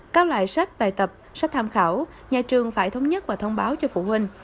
cao lại sách bài tập sách tham khảo nhà trường phải thống nhất và thông báo cho phụ huynh